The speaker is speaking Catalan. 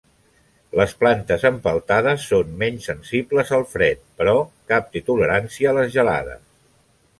Les plantes empeltades són menys sensibles en fred, però cap té tolerància a les gelades.